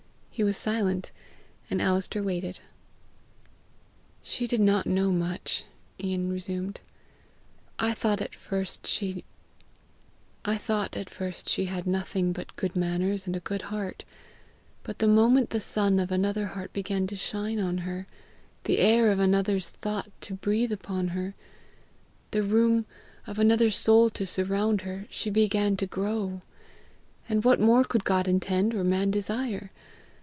He was silent, and Alister waited. "She did not know much," Ian resumed. "I thought at first she had nothing but good manners and a good heart; but the moment the sun of another heart began to shine on her, the air of another's thought to breathe upon her, the room of another soul to surround her, she began to grow; and what more could God intend or man desire?